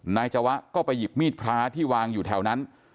จวะก็ไปหยิบมีดพระที่วางอยู่แถวนั้น